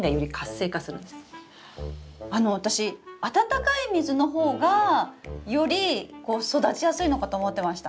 私温かい水の方がより育ちやすいのかと思ってました。